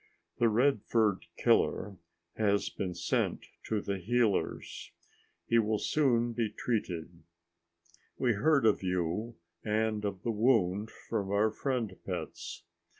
The red furred killer has been sent to the healers. He will soon be treated. We heard of you and of the wound from our friend pets.